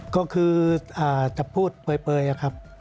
ก็คือจะพูดเปลยครับ